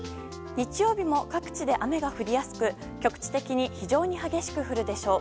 日曜日も各地で雨が降りやすく局地的に非常に激しく降るでしょう。